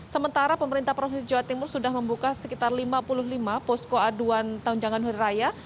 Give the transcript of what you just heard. sementara pemerintah provinsi jawa timur sudah membuka sekitar lima puluh lima posko aduan tunjangan hari raya